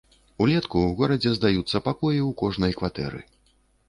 Улетку ў горадзе здаюцца пакоі ў кожнай кватэры.